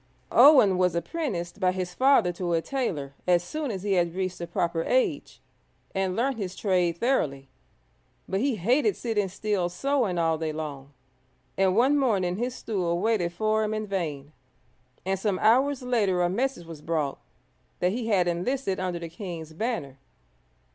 Owen was apprenticed by his father to a tailor as soon as he had reached the proper age, and learnt his trade thoroughly. But he hated sitting still sewing all day long, and one morning his stool waited for him in vain, and some hours later a message was brought that he had enlisted under the king's banner.